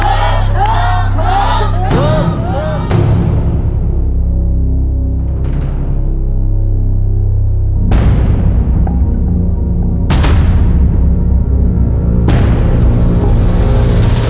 ถูก